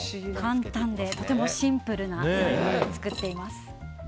簡単でとてもシンプルな材料で作っています。